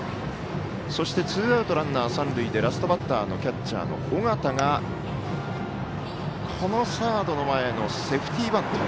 そして、ツーアウトランナー、三塁でラストバッターのキャッチャー尾形が、このサードの前のセーフティーバント。